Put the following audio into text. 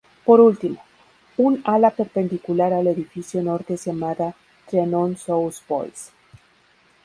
Por último, un ala perpendicular al edificio norte es llamada "Trianón-sous-bois".